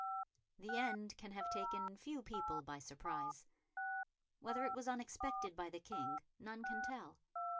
The end can have taken few people by surprise. Whether it was unexpected by the King none can tell.